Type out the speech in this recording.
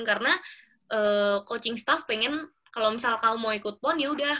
karena coaching staff pengen kalo misal kamu mau ikut pon yaudah